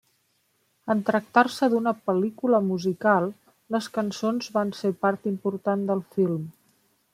En tractar-se d'una pel·lícula musical les cançons van ser part important del film.